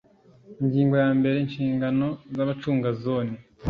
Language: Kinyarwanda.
Ingingo ya mbere Inshingano z abacunga Zone